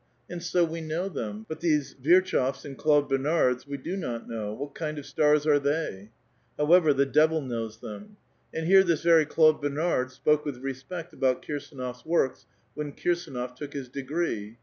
And so we know them ; but these Virchows and Claude Bernards we do not know ; what kind of stars are thev ? However, the devil knows them. And here this very Claude Bernard six>ke with respect about Kir sdnof's works, when Kirsdnof took his degree.